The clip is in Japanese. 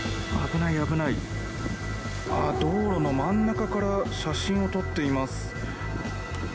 道路の真ん中から写真を撮っています。